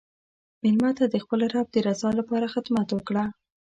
مېلمه ته د خپل رب د رضا لپاره خدمت وکړه.